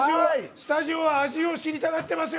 スタジオは味を知りたがってますよ！